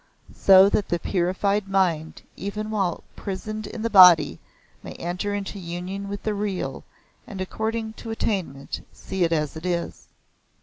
So that the purified mind even while prisoned in the body, may enter into union with the Real and, according to attainment, see it as it is.